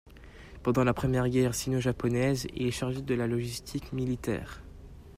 Pendant la première guerre sino-japonaise, il est chargé de la logistique militaire.